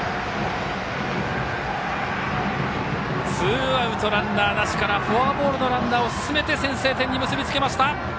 ツーアウトランナーなしからフォアボールのランナーを進めて先制点に結び付けました。